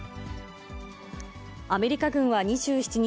アメリカ軍は２７日、